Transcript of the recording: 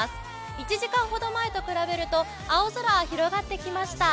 １時間ほど前と比べると青空が広がってきました。